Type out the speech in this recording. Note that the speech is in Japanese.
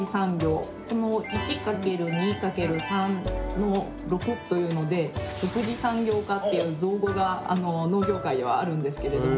この１×２×３の６というので６次産業化っていう造語が農業界ではあるんですけれども。